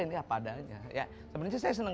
ini apa adanya sebenernya saya seneng